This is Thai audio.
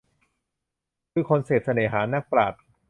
คือคนเสพเสน่หา นักปราชญ์